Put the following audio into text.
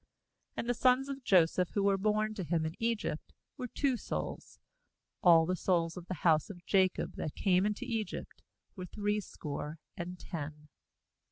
27And the sons of Joseph, who were born to him in Egypt, were two souls; all the souls of the house of Jacob, that came into Egypt, were threescore and ten.